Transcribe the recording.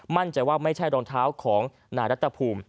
มั่นใจว่าไม่ใช่รองเท้าของนายรัฐภูมิ